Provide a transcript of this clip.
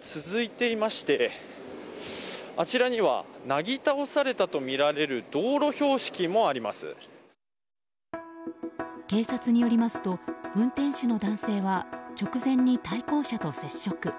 続いていましてあちらにはなぎ倒されたとみられる警察によりますと運転手の男性は直前に対向車と接触。